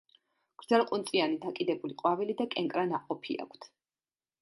გრძელყუნწიანი დაკიდებული ყვავილი და კენკრა ნაყოფი აქვთ.